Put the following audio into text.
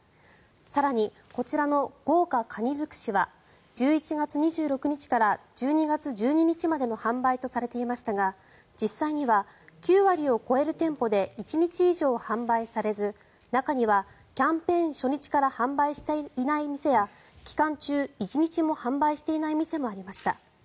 更にこちらの「豪華かにづくし」は１１月２６日から１２月１２日までの販売とされていましたが実際には９割を超える店舗で１日以上販売されず中にはキャンペーン初日から販売していない店や期間中、１日も販売していない店もありました。